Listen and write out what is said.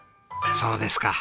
そうですか。